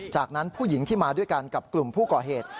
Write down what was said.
จากนั้นผู้หญิงที่มาด้วยกันกับกลุ่มผู้ก่อเหตุ